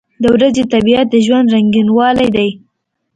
• د ورځې طبیعت د ژوند رنګینوالی دی.